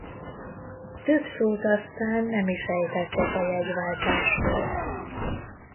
Több szót aztán nem is ejtettek a jegyváltásról.